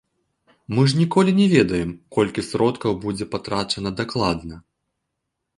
Мы ж ніколі не ведаем, колькі сродкаў будзе патрачана, дакладна.